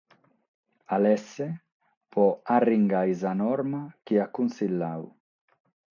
Alesse pro arringare sa norma chi at cussigiadu.